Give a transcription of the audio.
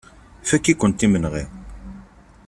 Fakk-ikent imenɣi.